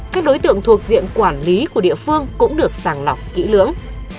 các đối tượng thuộc diện quản lý của địa phương cũng được sàng lọc kỹ lưỡng